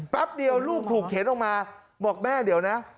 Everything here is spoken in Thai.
แป๊บเดียวลูกถูกเข็นออกมาบอกแม่เดี๋ยวนะ